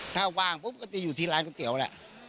ถ้าว่างปุ๊บก็จะอยู่ที่ร้านก๋วยเตี๋ยวแหละ